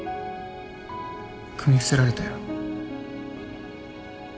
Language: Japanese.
組み伏せられたよ。